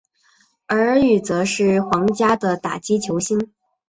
而与则是皇家的打击球星。